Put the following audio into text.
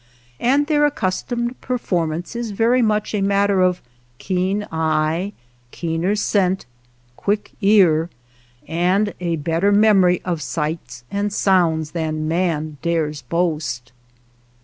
And their accustomed performance is very much a matter of keen eye, keener scent, quick ear, and a better memory of sights and sounds than man dares boast.